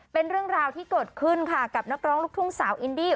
เป็นเรื่องราวที่เกิดขึ้นค่ะกับนักร้องลูกทุ่งสาวอินดี้